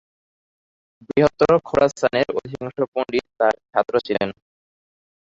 বৃহত্তর খোরাসানের অধিকাংশ পণ্ডিত তার ছাত্র ছিলেন।